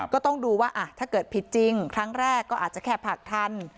ก็ต้องดูว่าถ้าเกิดผิดจริงครั้งแรกก็อาจจะแค่ผลักทัน